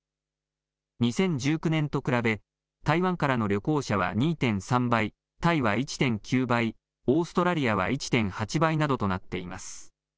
２０１９年と比べ、台湾からの旅行者は２．３倍、タイは１．９倍、オーストラリアは１．８倍などとなっています。